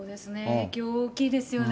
影響大きいですよね。